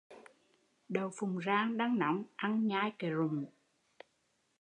Đậu phụng rang đang nóng ăn nhai cái rụm